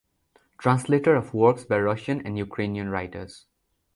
Translator of works by Russian and Ukrainian writers.